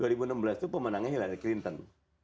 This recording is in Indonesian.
dua ribu enam belas itu pemenangnya hillary clinton